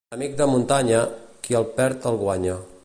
Amic de muntanya, qui el perd el guanya.